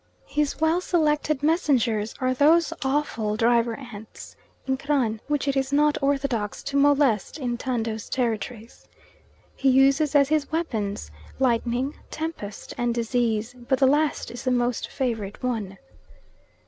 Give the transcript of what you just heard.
His well selected messengers are those awful driver ants (Inkran) which it is not orthodox to molest in Tando's territories. He uses as his weapons lightning, tempest, and disease, but the last is the most favourite one.